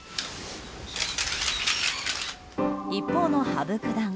一方の羽生九段。